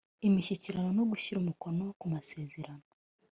imishyikirano nu gushyira umukono kumasezerano.